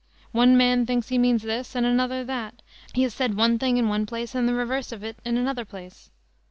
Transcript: One man thinks he means this, and another that; he has said one thing in one place, and the reverse of it in another place."